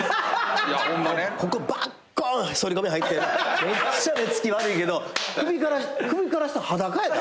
ここバッコンそり込み入ってめっちゃ目つき悪いけど首から下裸やで。